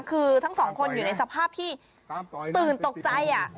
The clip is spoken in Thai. คือทั้งสองคนอยู่ในสภาพที่ตื่นตกใจ